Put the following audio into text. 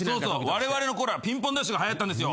われわれのころはピンポンダッシュがはやったんですよ。